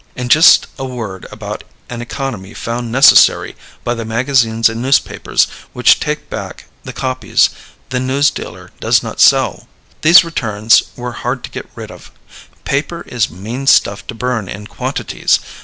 And just a word about an economy found necessary by the magazines and newspapers which take back the copies the newsdealer does not sell. These "returns" were hard to get rid of. Paper is mean stuff to burn in quantities.